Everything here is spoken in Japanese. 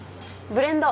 ブレンド。